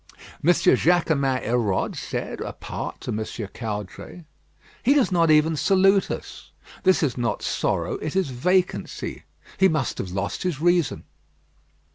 M. Jaquemin Hérode said, apart to M. Caudray: "He does not even salute us. This is not sorrow; it is vacancy. He must have lost his reason."